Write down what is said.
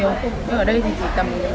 nhưng ở đây thì chỉ tầm